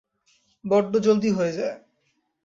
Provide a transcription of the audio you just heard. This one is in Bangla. বড্ডো জলদি হয়ে যায়।